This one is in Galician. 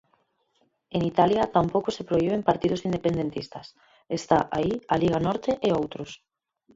En Italia tampouco se prohiben partidos independentistas, está aí a Liga Norte e outros.